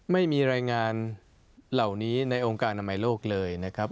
ไม่มีรายงานเหล่านี้ในองค์การอนามัยโลกเลยนะครับ